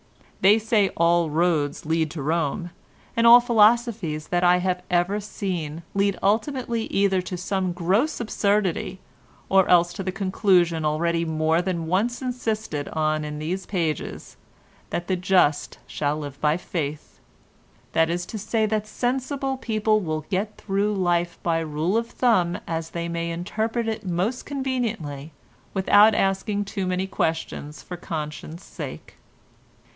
They say all roads lead to Rome, and all philosophies that I have ever seen lead ultimately either to some gross absurdity, or else to the conclusion already more than once insisted on in these pages, that the just shall live by faith, that is to say that sensible people will get through life by rule of thumb as they may interpret it most conveniently without asking too many questions for conscience sake.